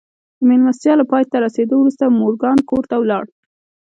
د مېلمستیا له پای ته رسېدو وروسته مورګان کور ته ولاړ